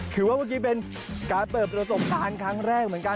คือว่าเมื่อกี้เป็นการเปิดประสบความสำคัญครั้งแรกเหมือนกัน